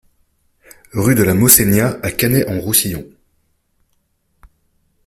Rue de la Mossenya à Canet-en-Roussillon